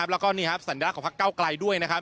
แล้วก็นี่ครับสัญญาติของพรรคเก้าใกล้ด้วย